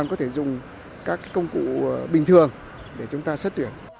các công cụ bình thường để chúng ta xét tuyển